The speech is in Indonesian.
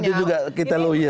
ini juga kita lawyer